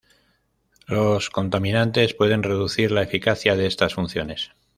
Los contaminantes pueden reducir la eficacia de estas funciones.